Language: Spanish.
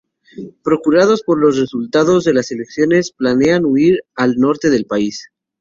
Preocupados por los resultados de las elecciones, planean huir al Norte del país.